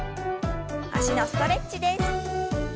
脚のストレッチです。